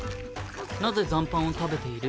なぜ残飯を食べている？